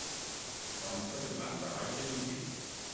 Consta de planta baixa i un pis.